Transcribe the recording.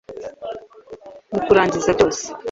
mu kurangiza byose